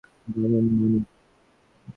দারুণ, মানিক!